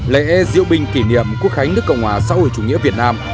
lễ diệu bình kỷ niệm quốc khánh nước cộng hòa xã hội chủ nghĩa việt nam